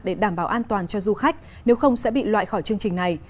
để đảm bảo an toàn cho du khách nếu không sẽ bị loại khỏi chương trình này